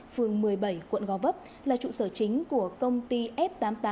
phường một mươi bảy quận gò vấp là trụ sở chính của công ty f tám mươi tám